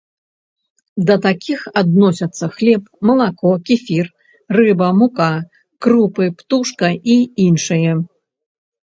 Да такіх адносяцца хлеб, малако, кефір, рыба, мука, крупы, птушка і іншае.